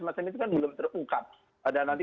macam itu kan belum terungkap ada nanti